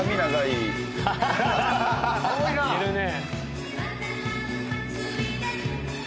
・いるね。